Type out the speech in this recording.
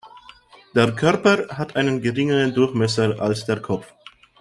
Der Körper hat einen geringeren Durchmesser als der Kopf.